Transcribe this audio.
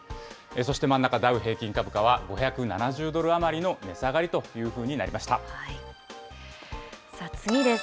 そして真ん中、ダウ平均株価は５７０ドル余りの値下がりというふ次です。